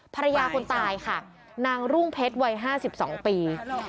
ภรรยาคนตายค่ะนางรุ่งเพชรวัย๕๒ปี